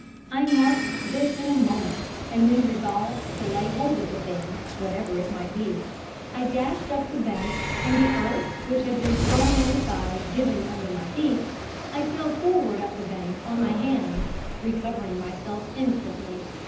"I marked this in a moment; and then resolved to lay hold of the thing, whatever it might be. I dashed up the bank, and the earth which had been thrown on the side giving under my feet, I fell forward up the bank on my hands, recovering myself instantly.